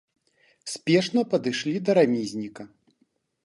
Спешна падышлі да рамізніка.